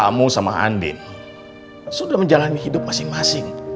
kamu sama andin sudah menjalani hidup masing masing